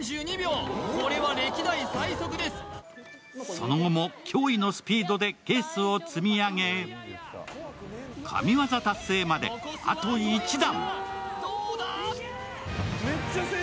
その後も驚異のスピードでケースを積み上げ神業達成まであと１段。